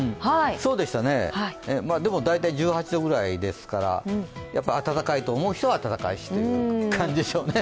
大体１８度くらいですからやっぱり暖かいと思う人は暖かいしという感じですね。